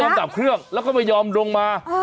ไม่ยอมกลับเครื่องแล้วก็ไม่ยอมลงมา